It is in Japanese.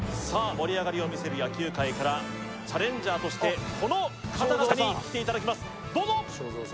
盛り上がりを見せる野球界からチャレンジャーとしてこの方々に来ていただきますどうぞ！